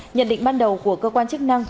nhận định ban đầu của cơ quan chức năng